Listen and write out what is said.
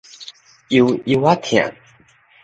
幽幽仔疼